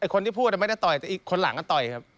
คนที่พูดไม่ได้ต่อยแต่อีกคนหลังก็ต่อยครับ